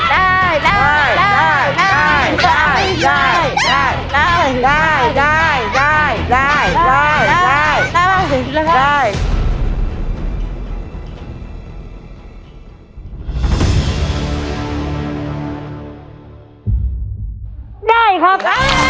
ได้ครับ